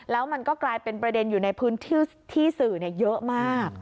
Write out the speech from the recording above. แล้วมันก็กลายเป็นประเด็นอยู่ในพื้นที่ที่สื่อเยอะมาก